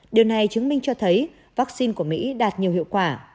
điều này chứng minh cho thấy vắc xin của mỹ đạt nhiều hiệu quả